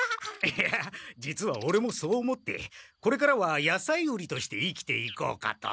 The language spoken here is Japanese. いや実はオレもそう思ってこれからは野菜売りとして生きていこうかと。